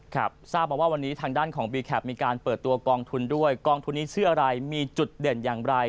ครับทราบมาว่าวันนี้ทางด้านของบีแคปมีการเปิดตัวกองทุนด้วยกองทุนนี้ชื่ออะไรมีจุดเด่นอย่างไร